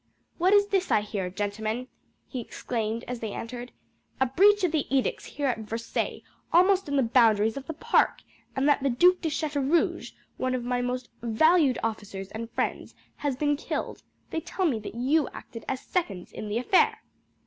"What is this I hear, gentlemen?" he exclaimed as they entered. "A breach of the edicts here at Versailles, almost in the boundaries of the park; and that the Duc de Chateaurouge, one of my most valued officers and friends has been killed; they tell me that you acted as seconds in the affair."